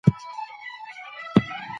د مطالعې ذوق باید تل ژوندی وساتل سي.